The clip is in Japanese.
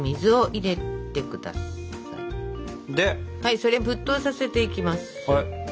それ沸騰させていきます。